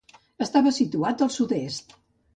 Estava situat al sud-est.